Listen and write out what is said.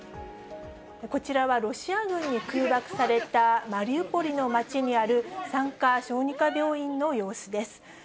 こちらはロシア軍に空爆されたマリウポリの街にある、産科・小児科病院の様子です。